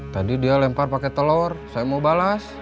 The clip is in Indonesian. tadi dia lempar pake telor saya mau balas